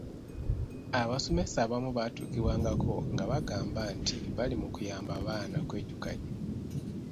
Abasomesa abamu baatuukibwangako nga bagamba nti bali mu kuyamba baana kwejjukanya.